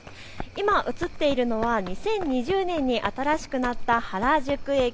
今、映っているのは２０２０年に新しくなった原宿駅。